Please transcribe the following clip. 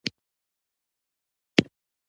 زه د غرڅنۍ لور يم.